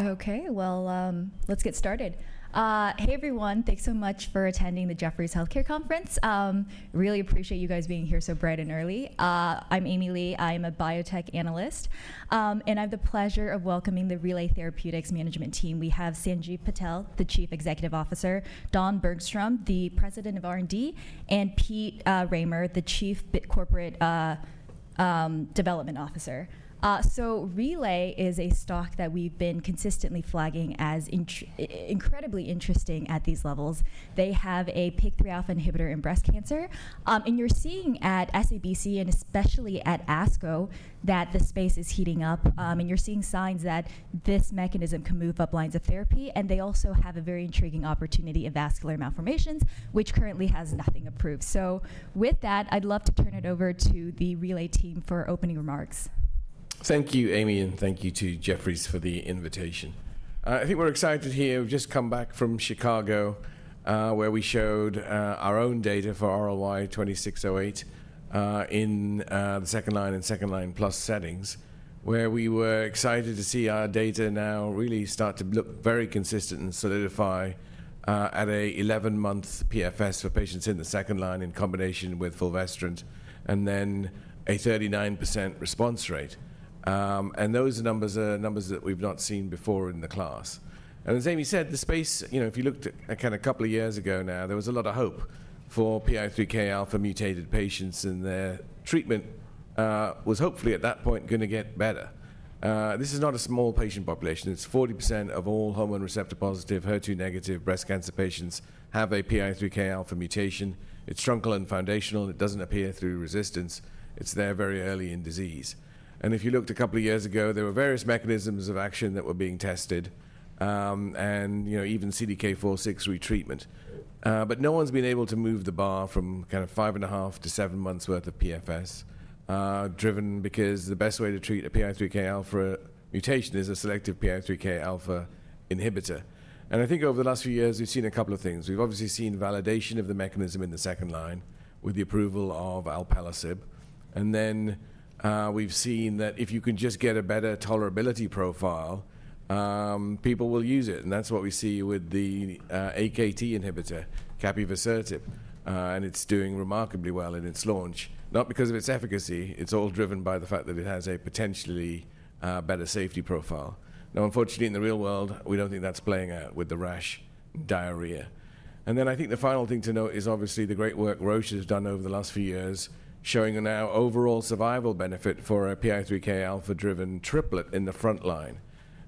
Okay, let's get started. Hey everyone, thanks so much for attending the Jefferies Healthcare Conference. Really appreciate you guys being here so bright and early. I'm Amy Li, I'm a biotech analyst, and I have the pleasure of welcoming the Relay Therapeutics management team. We have Sanjiv Patel, the Chief Executive Officer, Don Bergstrom, the President of R&D, and Pete Rahmer, the Chief Corporate Development Officer. Relay is a stock that we've been consistently flagging as incredibly interesting at these levels. They have a PI3Kα inhibitor in breast cancer. You're seeing at SABC, and especially at ASCO, that the space is heating up, and you're seeing signs that this mechanism can move up lines of therapy. They also have a very intriguing opportunity in vascular malformations, which currently has nothing approved. With that, I'd love to turn it over to the Relay team for opening remarks. Thank you, Amy, and thank you to Jefferies for the invitation. I think we're excited here. We've just come back from Chicago, where we showed our own data for RLY-2608, in the second line and second line plus settings, where we were excited to see our data now really start to look very consistent and solidify, at an 11-month PFS for patients in the second line in combination with fulvestrant, and then a 39% response rate. Those numbers are numbers that we've not seen before in the class. As Amy said, the space, you know, if you looked at kind of a couple of years ago now, there was a lot of hope for PI3Kα mutated patients, and their treatment was hopefully at that point going to get better. This is not a small patient population. It's 40% of all hormone receptor positive, HER2 negative breast cancer patients have a PI3Kα mutation. It's truncal and foundational, and it doesn't appear through resistance. It's there very early in disease. If you looked a couple of years ago, there were various mechanisms of action that were being tested, and, you know, even CDK4/6 retreatment. No one's been able to move the bar from kind of five and a half to seven months' worth of PFS, driven because the best way to treat a PI3Kα mutation is a selective PI3Kα inhibitor. I think over the last few years we've seen a couple of things. We've obviously seen validation of the mechanism in the second line with the approval of alpelisib. We've seen that if you can just get a better tolerability profile, people will use it. That is what we see with the AKT inhibitor capivasertib, and it is doing remarkably well in its launch. Not because of its efficacy, it is all driven by the fact that it has a potentially better safety profile. Now, unfortunately, in the real world, we do not think that is playing out with the rash and diarrhea. I think the final thing to note is obviously the great work Roche has done over the last few years showing now overall survival benefit for a PI3Kα-driven triplet in the front line.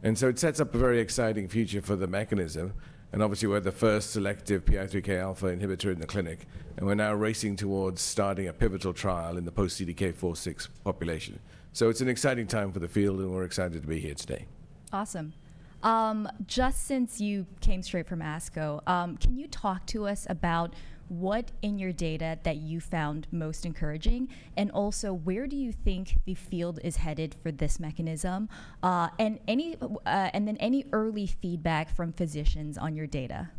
It sets up a very exciting future for the mechanism. Obviously, we are the first selective PI3Kα inhibitor in the clinic, and we are now racing towards starting a pivotal trial in the post-CDK4/6 population. It is an exciting time for the field, and we are excited to be here today. Awesome. Just since you came straight from ASCO, can you talk to us about what in your data that you found most encouraging, and also where do you think the field is headed for this mechanism? And any, and then any early feedback from physicians on your data?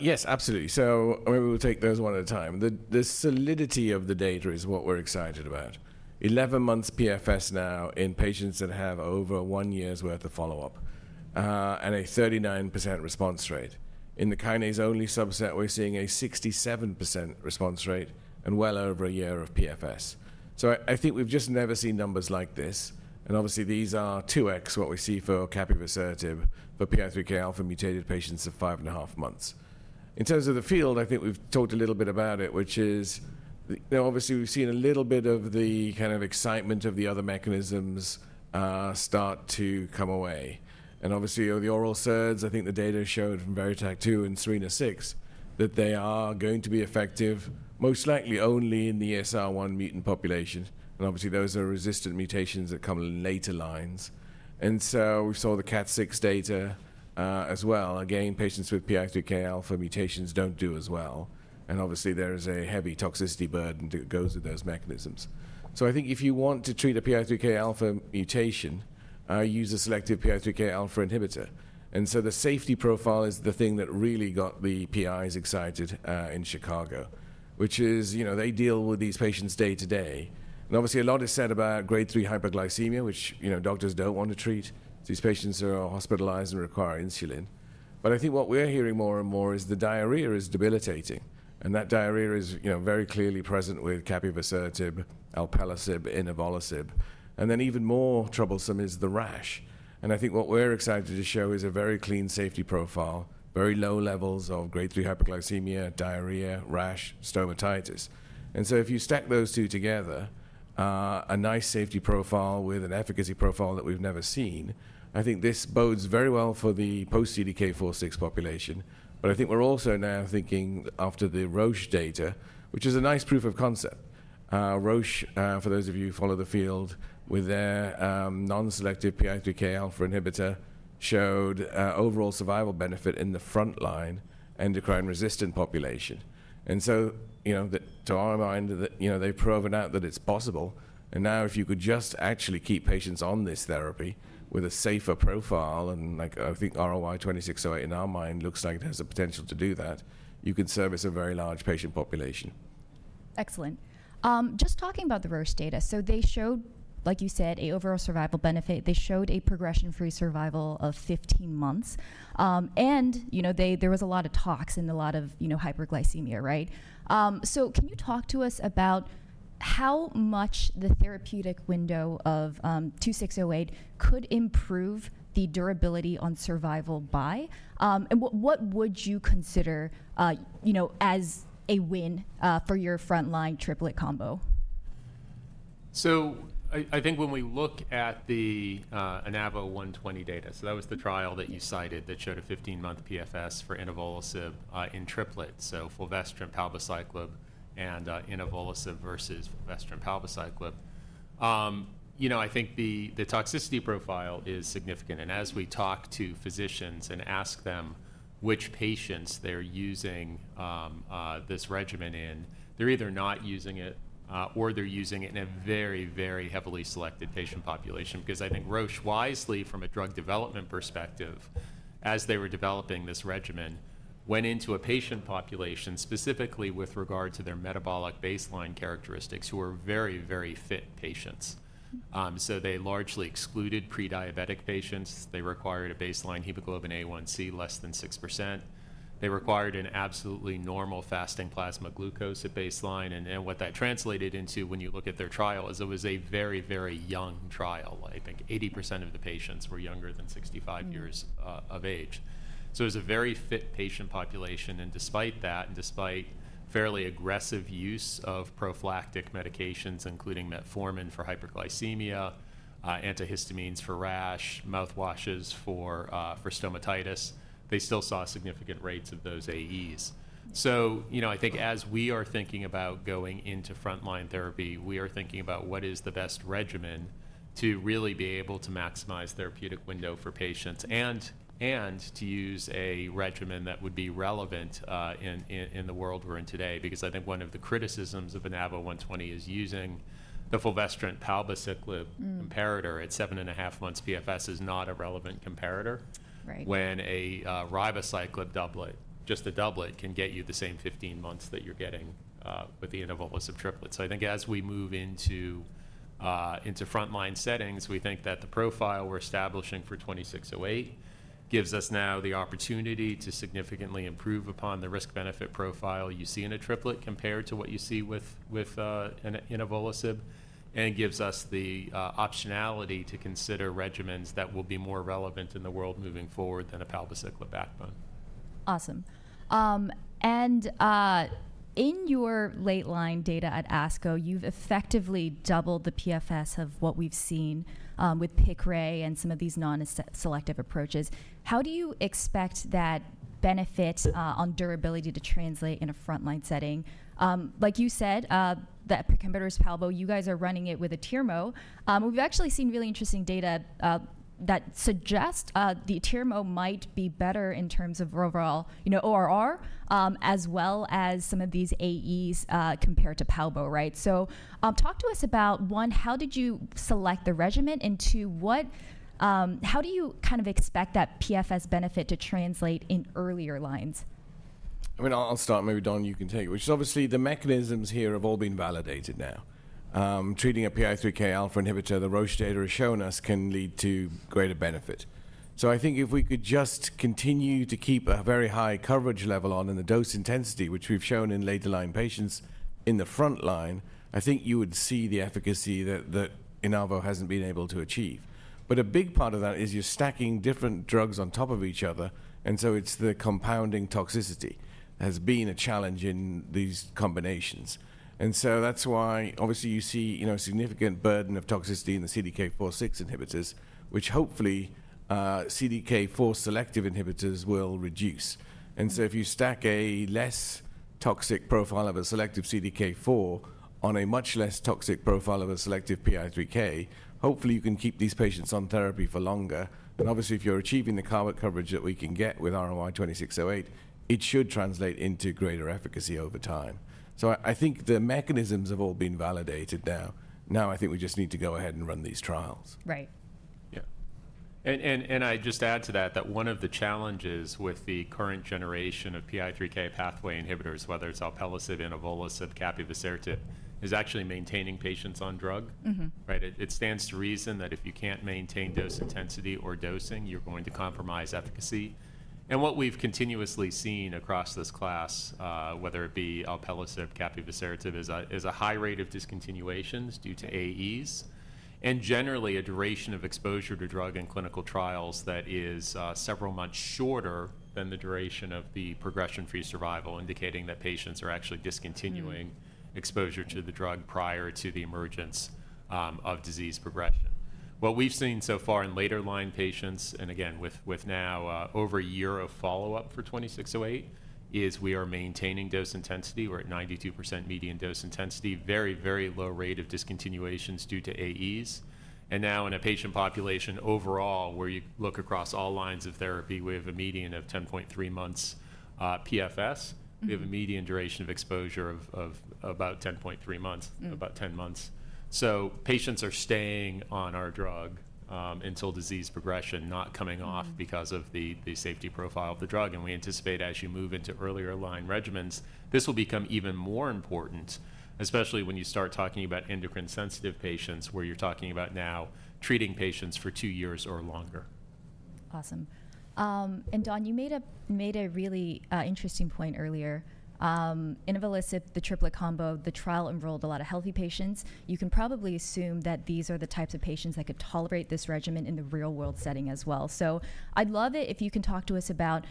Yes, absolutely. Maybe we will take those one at a time. The solidity of the data is what we are excited about. Eleven months PFS now in patients that have over one year's worth of follow-up, and a 39% response rate. In the kinase-only subset, we are seeing a 67% response rate and well over a year of PFS. I think we have just never seen numbers like this. Obviously these are 2x what we see for capivasertib for PI3Kα mutated patients of five and a half months. In terms of the field, I think we have talked a little bit about it, which is, you know, obviously we have seen a little bit of the kind of excitement of the other mechanisms start to come away. Obviously the oral SERDs, I think the data showed from VariTAC2 and Serena 6, that they are going to be effective most likely only in the SR1 mutant population. Obviously those are resistant mutations that come in later lines. We saw the CAT6 data, as well. Again, patients with PI3Kα mutations do not do as well. Obviously there is a heavy toxicity burden that goes with those mechanisms. I think if you want to treat a PI3Kα mutation, use a selective PI3Kα inhibitor. The safety profile is the thing that really got the PIs excited, in Chicago, which is, you know, they deal with these patients day to day. Obviously a lot is said about grade three hyperglycemia, which, you know, doctors do not want to treat. These patients are hospitalized and require insulin. I think what we're hearing more and more is the diarrhea is debilitating. That diarrhea is, you know, very clearly present with capivasertib, alpelisib, inavolisib. Even more troublesome is the rash. I think what we're excited to show is a very clean safety profile, very low levels of grade three hyperglycemia, diarrhea, rash, stomatitis. If you stack those two together, a nice safety profile with an efficacy profile that we've never seen, I think this bodes very well for the post-CDK4/6 population. I think we're also now thinking after the Roche data, which is a nice proof of concept. Roche, for those of you who follow the field, with their non-selective PI3Kα inhibitor, showed overall survival benefit in the front line endocrine resistant population. You know, that to our mind, that, you know, they've proven out that it's possible. Now if you could just actually keep patients on this therapy with a safer profile, and like I think RLY-2608 in our mind looks like it has the potential to do that, you can service a very large patient population. Excellent. Just talking about the Roche data, so they showed, like you said, an overall survival benefit. They showed a progression-free survival of 15 months. And, you know, there was a lot of talks and a lot of, you know, hyperglycemia, right? So can you talk to us about how much the therapeutic window of 2608 could improve the durability on survival by? And what would you consider, you know, as a win, for your front line triplet combo? I think when we look at the INAVO120 data, that was the trial that you cited that showed a 15-month PFS for inavolisib in triplet, so fulvestrant, palbociclib, and inavolisib versus fulvestrant, palbociclib. You know, I think the toxicity profile is significant. As we talk to physicians and ask them which patients they're using this regimen in, they're either not using it, or they're using it in a very, very heavily selected patient population. I think Roche, wisely from a drug development perspective, as they were developing this regimen, went into a patient population specifically with regard to their metabolic baseline characteristics who were very, very fit patients. They largely excluded prediabetic patients. They required a baseline hemoglobin A1C less than 6%. They required an absolutely normal fasting plasma glucose at baseline. What that translated into when you look at their trial is it was a very, very young trial. I think 80% of the patients were younger than 65 years of age. It was a very fit patient population. Despite that, and despite fairly aggressive use of prophylactic medications, including metformin for hyperglycemia, antihistamines for rash, mouthwashes for stomatitis, they still saw significant rates of those AEs. You know, I think as we are thinking about going into front line therapy, we are thinking about what is the best regimen to really be able to maximize therapeutic window for patients and to use a regimen that would be relevant in the world we are in today. I think one of the criticisms of INAVO120 is using the fulvestrant, palbociclib comparator at seven and a half months PFS is not a relevant comparator. Right. When a ribociclib doublet, just a doublet, can get you the same 15 months that you're getting with the inavolisib triplet. I think as we move into front line settings, we think that the profile we're establishing for 2608 gives us now the opportunity to significantly improve upon the risk-benefit profile you see in a triplet compared to what you see with inavolisib, and gives us the optionality to consider regimens that will be more relevant in the world moving forward than a palbociclib backbone. Awesome. And, in your late line data at ASCO, you've effectively doubled the PFS of what we've seen with Piqray and some of these non-selective approaches. How do you expect that benefit, on durability, to translate in a front line setting? Like you said, that precombatives palbo, you guys are running it with a TIRMO. We've actually seen really interesting data that suggest the TIRMO might be better in terms of overall, you know, ORR, as well as some of these AEs, compared to palbo, right? Talk to us about, one, how did you select the regimen? And two, what, how do you kind of expect that PFS benefit to translate in earlier lines? I mean, I'll start, maybe Don, you can take it, which is obviously the mechanisms here have all been validated now. Treating a PI3Kα inhibitor, the Roche data has shown us, can lead to greater benefit. I think if we could just continue to keep a very high coverage level on in the dose intensity, which we've shown in later line patients in the front line, I think you would see the efficacy that, that Inavolisib hasn't been able to achieve. A big part of that is you're stacking different drugs on top of each other, and it is the compounding toxicity that has been a challenge in these combinations. That is why obviously you see, you know, a significant burden of toxicity in the CDK4/6 inhibitors, which hopefully, CDK4 selective inhibitors will reduce. If you stack a less toxic profile of a selective CDK4 on a much less toxic profile of a selective PI3K, hopefully you can keep these patients on therapy for longer. Obviously, if you're achieving the coverage that we can get with RLY-2608, it should translate into greater efficacy over time. I think the mechanisms have all been validated now. I think we just need to go ahead and run these trials. Right. Yeah. I just add to that that one of the challenges with the current generation of PI3K pathway inhibitors, whether it's alpelisib, inavolisib, capivasertib, is actually maintaining patients on drug, right? It stands to reason that if you can't maintain dose intensity or dosing, you're going to compromise efficacy. What we've continuously seen across this class, whether it be alpelisib, capivasertib, is a high rate of discontinuations due to AEs and generally a duration of exposure to drug in clinical trials that is several months shorter than the duration of the progression-free survival, indicating that patients are actually discontinuing exposure to the drug prior to the emergence of disease progression. What we've seen so far in later line patients, and again with now over a year of follow-up for 2608, is we are maintaining dose intensity. We're at 92% median dose intensity, very, very low rate of discontinuations due to AEs. In a patient population overall, where you look across all lines of therapy, we have a median of 10.3 months PFS. We have a median duration of exposure of about 10.3 months, about 10 months. Patients are staying on our drug until disease progression, not coming off because of the safety profile of the drug. We anticipate as you move into earlier line regimens, this will become even more important, especially when you start talking about endocrine sensitive patients where you're talking about now treating patients for two years or longer. Awesome. And Don, you made a, made a really interesting point earlier. inavolisib, the triplet combo, the trial enrolled a lot of healthy patients. You can probably assume that these are the types of patients that could tolerate this regimen in the real world setting as well. I’d love it if you can talk to us about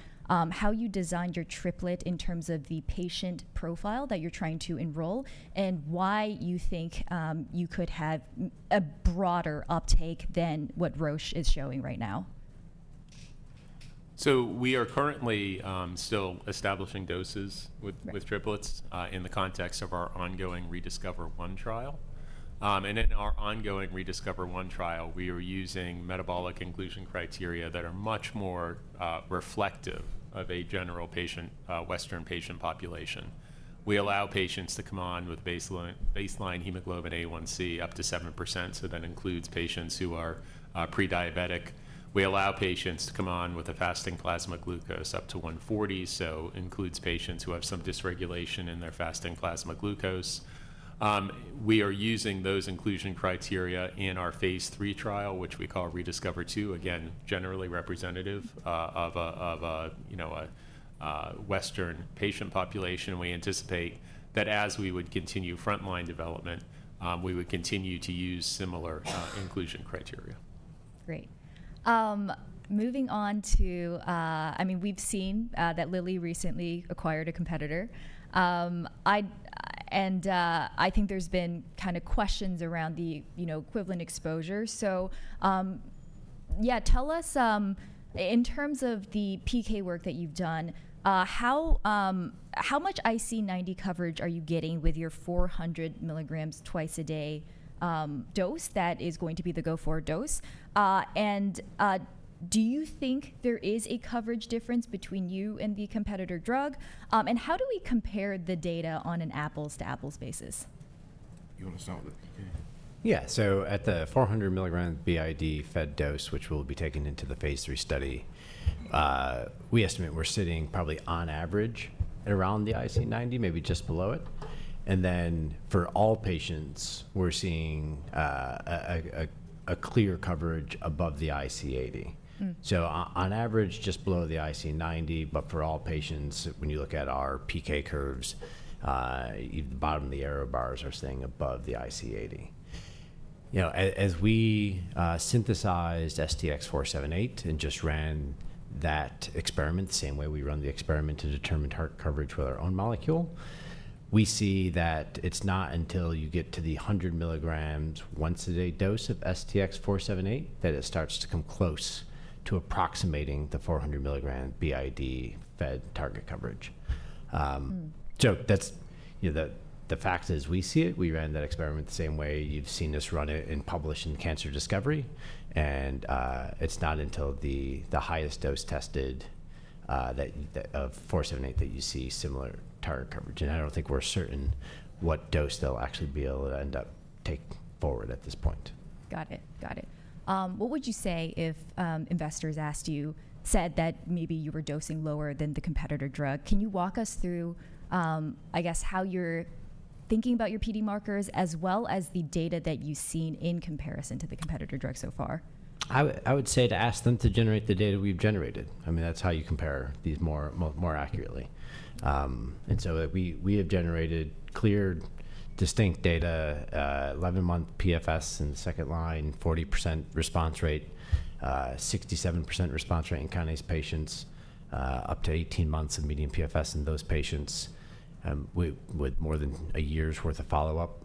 how you designed your triplet in terms of the patient profile that you’re trying to enroll and why you think you could have a broader uptake than what Roche is showing right now. We are currently still establishing doses with triplets in the context of our ongoing ReDiscover One trial. In our ongoing ReDiscover One trial, we are using metabolic inclusion criteria that are much more reflective of a general Western patient population. We allow patients to come on with baseline hemoglobin A1C up to 7%. That includes patients who are prediabetic. We allow patients to come on with a fasting plasma glucose up to 140. That includes patients who have some dysregulation in their fasting plasma glucose. We are using those inclusion criteria in our phase III trial, which we call ReDiscover Two. Again, generally representative of a, you know, Western patient population. We anticipate that as we would continue front line development, we would continue to use similar inclusion criteria. Great. Moving on to, I mean, we've seen that Lilly recently acquired a competitor. I, and, I think there's been kind of questions around the, you know, equivalent exposure. So, yeah, tell us, in terms of the PK work that you've done, how, how much IC90 coverage are you getting with your 400 mg twice a day dose that is going to be the go-forward dose? And, do you think there is a coverage difference between you and the competitor drug? And how do we compare the data on an apples to apples basis? You want to start with the PK? Yeah. At the 400 milligram BID fed dose, which will be taken into the phase III study, we estimate we're sitting probably on average at around the IC90, maybe just below it. For all patients, we're seeing a clear coverage above the IC80. On average, just below the IC90, but for all patients, when you look at our PK curves, the bottom of the error bars are staying above the IC80. You know, as we synthesized STX478 and just ran that experiment the same way we run the experiment to determine target coverage with our own molecule, we see that it's not until you get to the 100 mg once a day dose of STX478 that it starts to come close to approximating the 400 mg BID fed target coverage. That's, you know, the fact is we see it. We ran that experiment the same way you've seen us run it and published in Cancer Discovery. It's not until the highest dose tested, that of 478, that you see similar target coverage. I don't think we're certain what dose they'll actually be able to end up take forward at this point. Got it. Got it. What would you say if investors asked you, said that maybe you were dosing lower than the competitor drug? Can you walk us through, I guess, how you're thinking about your PD markers as well as the data that you've seen in comparison to the competitor drug so far? I would say to ask them to generate the data we've generated. I mean, that's how you compare these more accurately. We have generated clear, distinct data, 11-month PFS in the second line, 40% response rate, 67% response rate in county patients, up to 18 months of median PFS in those patients. With more than a year's worth of follow-up,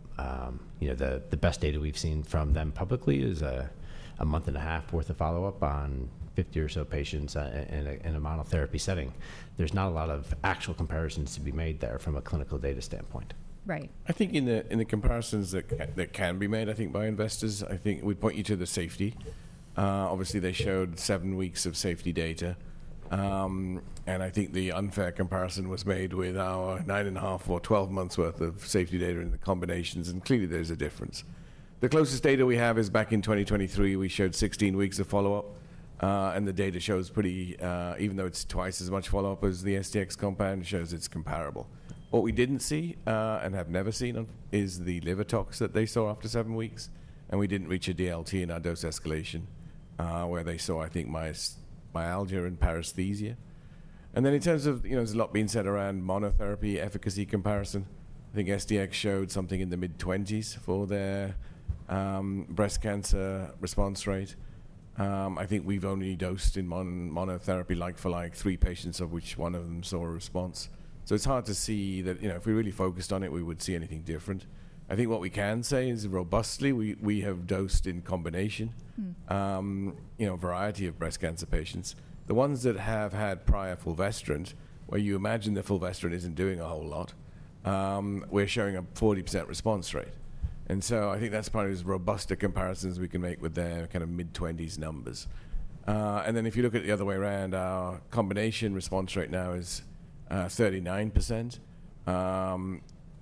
you know, the best data we've seen from them publicly is a month and a half worth of follow-up on 50 or so patients in a monotherapy setting. There's not a lot of actual comparisons to be made there from a clinical data standpoint. Right. I think in the comparisons that can be made, I think by investors, I think we'd point you to the safety. Obviously they showed seven weeks of safety data. I think the unfair comparison was made with our nine and a half or 12 months worth of safety data in the combinations. Clearly there's a difference. The closest data we have is back in 2023. We showed 16 weeks of follow-up, and the data shows pretty, even though it's twice as much follow-up as the STX compound, shows it's comparable. What we didn't see, and have never seen, is the LiverTox that they saw after seven weeks. We didn't reach a DLT in our dose escalation, where they saw, I think, myalgia and paresthesia. In terms of, you know, there's a lot being said around monotherapy efficacy comparison. I think STX showed something in the mid-20s for their breast cancer response rate. I think we've only dosed in monotherapy like for like three patients, of which one of them saw a response. So it's hard to see that, you know, if we really focused on it, we would see anything different. I think what we can say is robustly, we have dosed in combination, you know, a variety of breast cancer patients. The ones that have had prior fulvestrant, where you imagine the fulvestrant isn't doing a whole lot, we're showing a 40% response rate. I think that's probably as robust a comparison as we can make with their kind of mid-20s numbers. If you look at the other way around, our combination response rate now is 39%.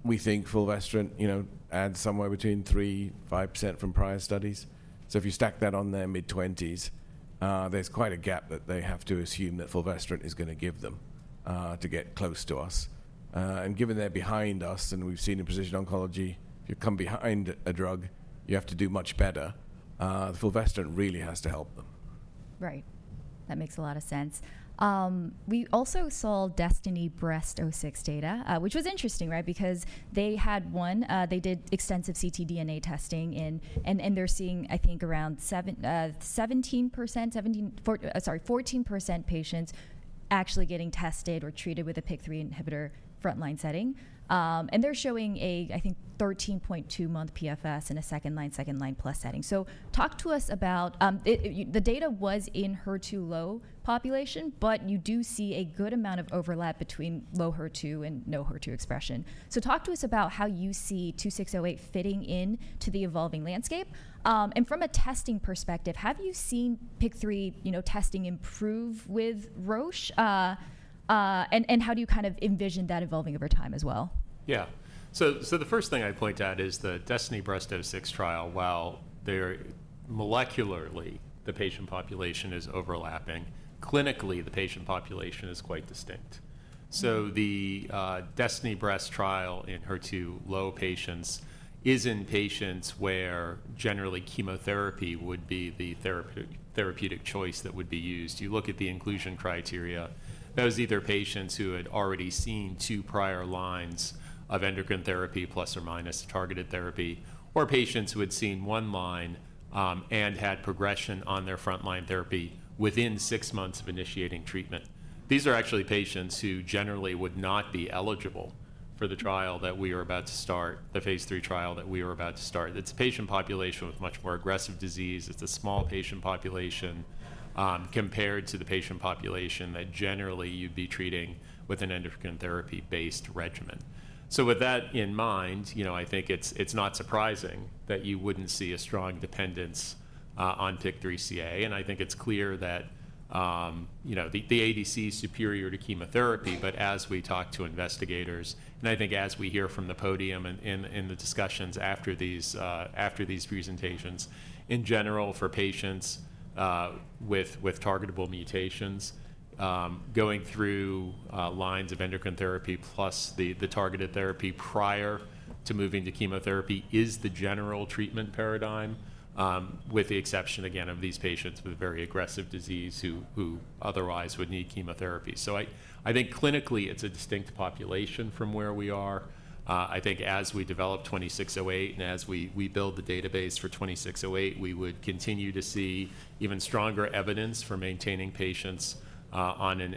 We think fulvestrant, you know, adds somewhere between 3%-5% from prior studies. If you stack that on their mid-20s, there's quite a gap that they have to assume that fulvestrant is going to give them, to get close to us. And given they're behind us and we've seen in precision oncology, if you come behind a drug, you have to do much better. The fulvestrant really has to help them. Right. That makes a lot of sense. We also saw DESTINY-Breast06 data, which was interesting, right? Because they had one, they did extensive ctDNA testing in, and they're seeing, I think, around 17%, 17, sorry, 14% patients actually getting tested or treated with a PI3K inhibitor front line setting. And they're showing a, I think, 13.2 month PFS in a second line, second line plus setting. Talk to us about, the data was in HER2 low population, but you do see a good amount of overlap between low HER2 and no HER2 expression. Talk to us about how you see 2608 fitting into the evolving landscape. And from a testing perspective, have you seen PI3K, you know, testing improve with Roche? And how do you kind of envision that evolving over time as well? Yeah. The first thing I point out is the DESTINY-Breast06 trial, while they're molecularly, the patient population is overlapping, clinically the patient population is quite distinct. The DESTINY-Breast trial in HER2 low patients is in patients where generally chemotherapy would be the therapeutic choice that would be used. You look at the inclusion criteria, those are either patients who had already seen two prior lines of endocrine therapy plus or minus targeted therapy or patients who had seen one line, and had progression on their front line therapy within six months of initiating treatment. These are actually patients who generally would not be eligible for the trial that we are about to start, the phase III trial that we are about to start. It's a patient population with much more aggressive disease. It's a small patient population, compared to the patient population that generally you'd be treating with an endocrine therapy based regimen. With that in mind, you know, I think it's not surprising that you wouldn't see a strong dependence on PIK3CA. I think it's clear that, you know, the ADC is superior to chemotherapy, but as we talk to investigators, and I think as we hear from the podium and in the discussions after these presentations, in general for patients with targetable mutations, going through lines of endocrine therapy plus the targeted therapy prior to moving to chemotherapy is the general treatment paradigm, with the exception again of these patients with very aggressive disease who otherwise would need chemotherapy. I think clinically it's a distinct population from where we are. I think as we develop 2608 and as we build the database for 2608, we would continue to see even stronger evidence for maintaining patients on an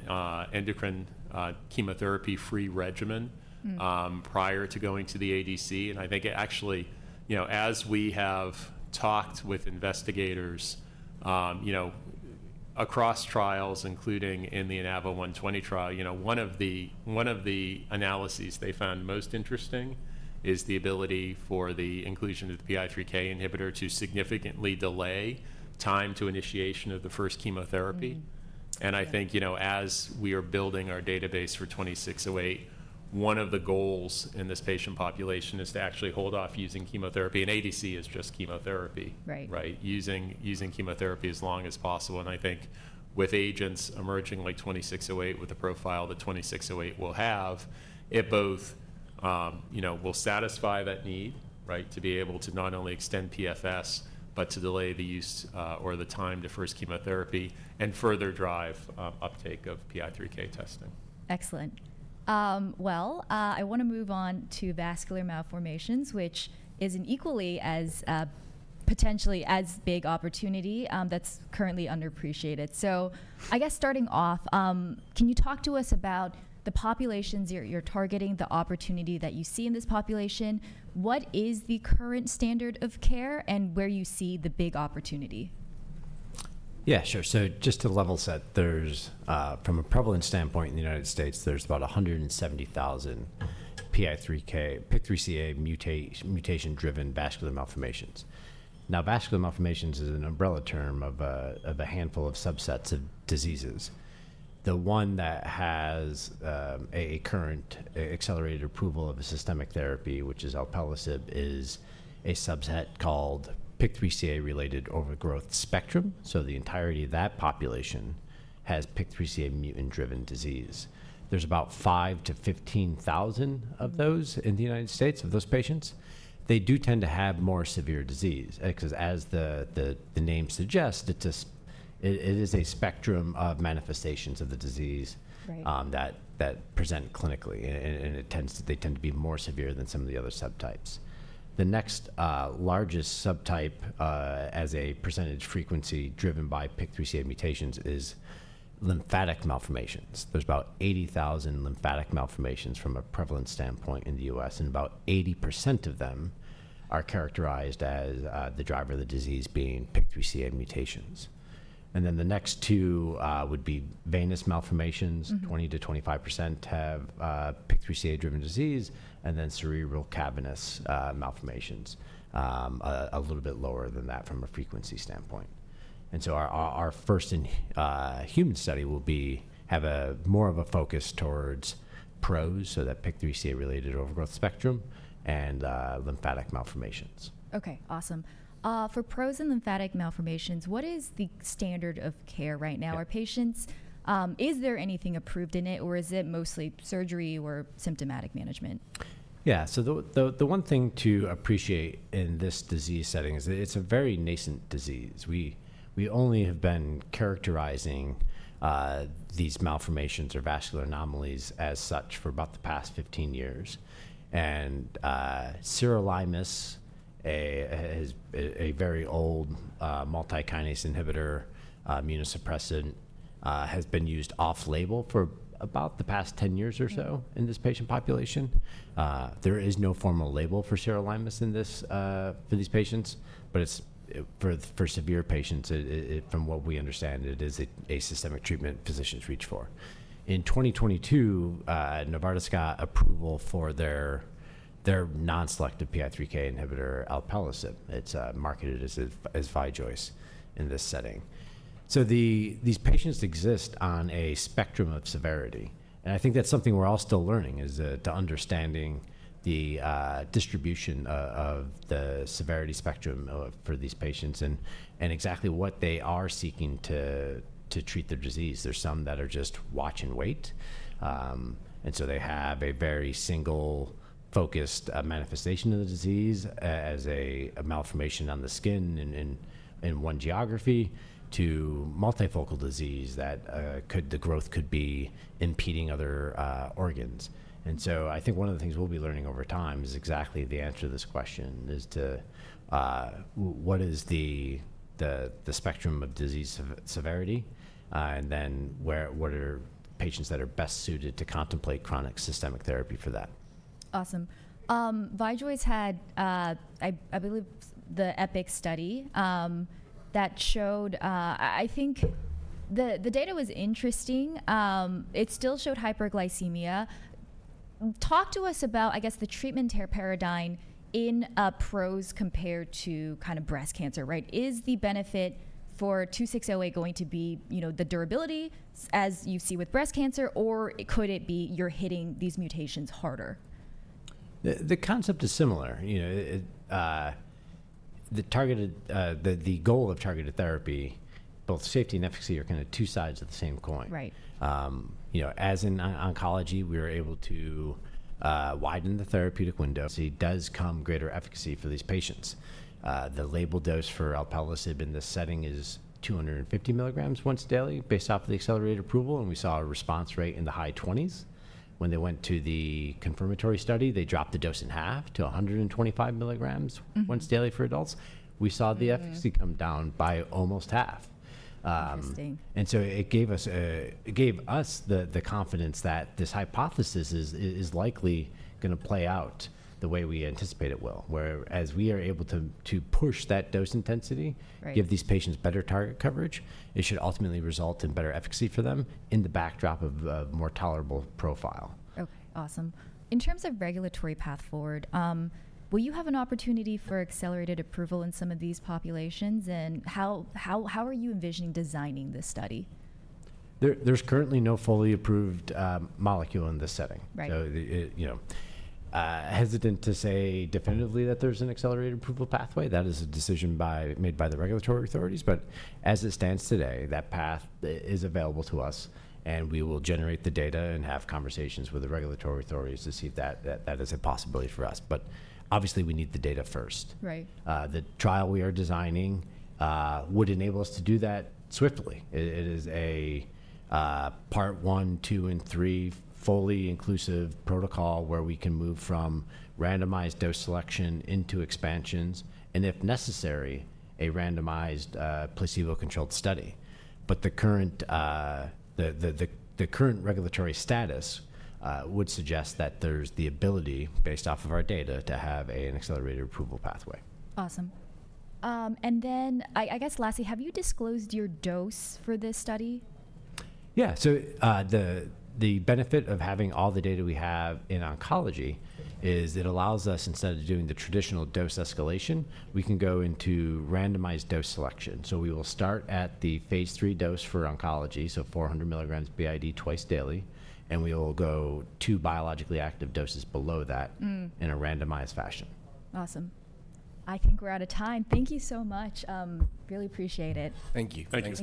endocrine, chemotherapy-free regimen prior to going to the ADC. I think it actually, you know, as we have talked with investigators, you know, across trials, including in the INAVO120 trial, you know, one of the analyses they found most interesting is the ability for the inclusion of the PI3K inhibitor to significantly delay time to initiation of the first chemotherapy. I think, you know, as we are building our database for 2608, one of the goals in this patient population is to actually hold off using chemotherapy. ADC is just chemotherapy. Right. Right. Using chemotherapy as long as possible. I think with agents emerging like 2608, with the profile that 2608 will have, it both, you know, will satisfy that need, right, to be able to not only extend PFS, but to delay the use, or the time to first chemotherapy and further drive uptake of PI3K testing. Excellent. I want to move on to vascular malformations, which is an equally as, potentially as big opportunity, that's currently underappreciated. I guess starting off, can you talk to us about the populations you're targeting, the opportunity that you see in this population? What is the current standard of care and where you see the big opportunity? Yeah, sure. Just to level set, from a prevalence standpoint in the United States, there's about 170,000 PI3K, PIK3CA mutation-driven vascular malformations. Now, vascular malformations is an umbrella term of a handful of subsets of diseases. The one that has a current accelerated approval of a systemic therapy, which is alpelisib, is a subset called PIK3CA-related overgrowth spectrum. The entirety of that population has PIK3CA mutant-driven disease. There's about 5,000-15,000 of those in the United States. They do tend to have more severe disease because, as the name suggests, it is a spectrum of manifestations of the disease that present clinically. They tend to be more severe than some of the other subtypes. The next, largest subtype, as a percentage frequency driven by PIK3CA mutations is lymphatic malformations. There are about 80,000 lymphatic malformations from a prevalence standpoint in the U.S. and about 80% of them are characterized as the driver of the disease being PIK3CA mutations. The next two would be venous malformations, 20%-25% have PIK3CA-driven disease, and then cerebral cavernous malformations, a little bit lower than that from a frequency standpoint. Our first-in-human study will have more of a focus towards PROS, so that PIK3CA-related overgrowth spectrum and lymphatic malformations. Okay. Awesome. For PROS and lymphatic malformations, what is the standard of care right now? Are patients, is there anything approved in it or is it mostly surgery or symptomatic management? Yeah. The one thing to appreciate in this disease setting is that it's a very nascent disease. We only have been characterizing these malformations or vascular anomalies as such for about the past 15 years. Serolimus, a very old multikinase inhibitor, immunosuppressant, has been used off label for about the past 10 years or so in this patient population. There is no formal label for serolimus in this, for these patients, but for severe patients, from what we understand, it is a systemic treatment physicians reach for. In 2022, Novartis got approval for their non-selective PI3K inhibitor, alpelisib. It's marketed as Vijoice in this setting. These patients exist on a spectrum of severity. I think that's something we're all still learning, to understanding the distribution of the severity spectrum for these patients and exactly what they are seeking to treat their disease. There's some that are just watch and wait, and so they have a very single focused manifestation of the disease as a malformation on the skin in one geography to multifocal disease that could, the growth could be impeding other organs. I think one of the things we'll be learning over time is exactly the answer to this question, what is the spectrum of disease severity, and then what are patients that are best suited to contemplate chronic systemic therapy for that. Awesome. Vijoice had, I believe, the EPIC study that showed, I think the data was interesting. It still showed hyperglycemia. Talk to us about, I guess, the treatment paradigm in PROS compared to kind of breast cancer, right? Is the benefit for 2608 going to be, you know, the durability as you see with breast cancer, or could it be you're hitting these mutations harder? The concept is similar. You know, the goal of targeted therapy, both safety and efficacy are kind of two sides of the same coin. Right. you know, as in oncology, we are able to, widen the therapeutic window. Does come greater efficacy for these patients. The label dose for alpelisib in this setting is 250 mg once daily based off of the accelerated approval. And we saw a response rate in the high 20s. When they went to the confirmatory study, they dropped the dose in half to 125 mg once daily for adults. We saw the efficacy come down by almost half. Interesting. It gave us the confidence that this hypothesis is likely going to play out the way we anticipate it will, whereas we are able to push that dose intensity, give these patients better target coverage. It should ultimately result in better efficacy for them in the backdrop of a more tolerable profile. Okay. Awesome. In terms of regulatory path forward, will you have an opportunity for accelerated approval in some of these populations? How are you envisioning designing this study? There's currently no fully approved molecule in this setting. Right. You know, hesitant to say definitively that there's an accelerated approval pathway. That is a decision made by the regulatory authorities. As it stands today, that path is available to us and we will generate the data and have conversations with the regulatory authorities to see if that is a possibility for us. Obviously we need the data first. Right. The trial we are designing would enable us to do that swiftly. It is a part one, two, and three fully inclusive protocol where we can move from randomized dose selection into expansions and, if necessary, a randomized, placebo-controlled study. The current regulatory status would suggest that there's the ability based off of our data to have an accelerated approval pathway. Awesome. I guess lastly, have you disclosed your dose for this study? Yeah. The benefit of having all the data we have in oncology is it allows us instead of doing the traditional dose escalation, we can go into randomized dose selection. We will start at the phase III dose for oncology, so 400 mg b.i.d. twice daily. We will go to biologically active doses below that in a randomized fashion. Awesome. I think we're out of time. Thank you so much. Really appreciate it. Thank you. Thanks.